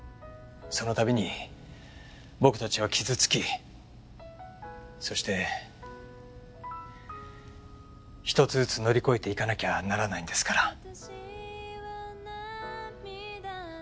そのたびに僕たちは傷つきそして１つずつ乗り越えていかなきゃならないんですから。